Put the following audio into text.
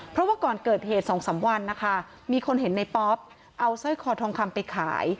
เพราะว่าก่อนเกิดเหตุ๒๓วันนะคะมีคนเห็นในป๊อปเอาสร้อยคอทองคำไปขาย